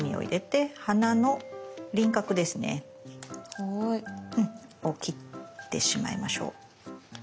ここ切ってしまいましょう。